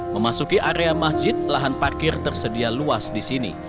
memasuki area masjid lahan parkir tersedia luas di sini